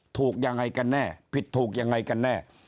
ถูกยังไงกันแน่ผิดถูกยังไงกันแน่